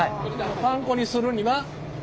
パン粉にするには。